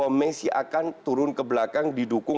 apalagi seandainya mereka bergabung dengan juve